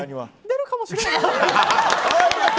出るかもしれないね！